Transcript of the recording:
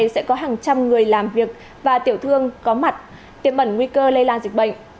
sẽ có hàng trăm người làm việc và tiểu thương có mặt tiêm ẩn nguy cơ lây lan dịch bệnh